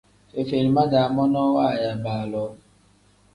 Fefelima-daa monoo waaya baaloo.